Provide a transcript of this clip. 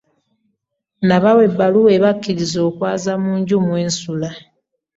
Nabawe ebbaluwa ebakkiriza okwaza mu nju mwe nsula.